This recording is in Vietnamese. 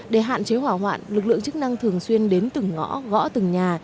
để hạn chế hỏa hoạn lực lượng chức năng thường xuyên đến từng ngõ gõ từng nhà